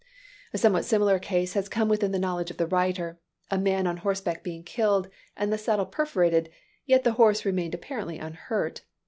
A somewhat similar case has come within the knowledge of the writer: a man on horseback being killed, and the saddle perforated; yet the horse remained apparently unhurt.